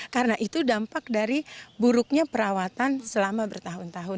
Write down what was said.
karena itu dampak dari buruknya perawatan selama bertahun tahun